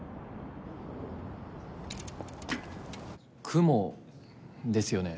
雲ですよね？